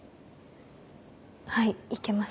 はい行けます。